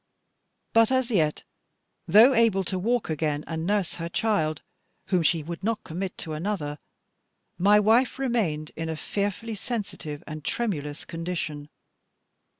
But as yet, though able to walk again, and nurse her child, whom she would not commit to another, my wife remained in a fearfully sensitive and tremulous condition.